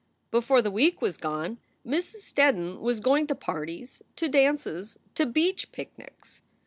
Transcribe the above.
Before the week was gone Mrs. Steddon was going to parties, to dances, to beach picnics.